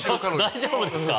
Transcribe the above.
大丈夫ですか？